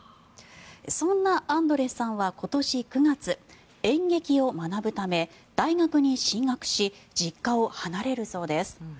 そんなアンドレスさんは今年９月演劇を学ぶため大学に進学し実家を離れるそうです。